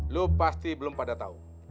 lu pasti belum pada tau